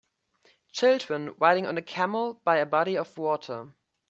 Children riding on a camel by a body of water.